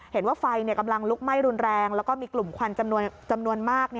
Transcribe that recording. เห็นว่าไฟกำลังลุกไหม้รุนแรงแล้วก็มีกลุ่มควันจำนวนมาก